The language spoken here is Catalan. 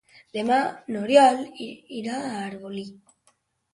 Demà n'Oriol irà a Arbolí.